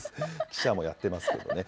記者もやってますけどね。